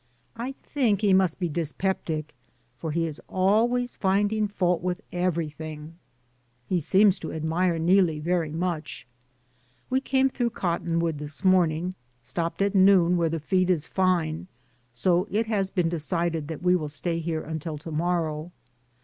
I think he must be dyspeptic, for he is always finding fault with everything. He seems to admire Neelie very much. We came through Cottonwood this morning. Stopped at noon where the feed is fine, so it has been decided that we stay here until to morrow.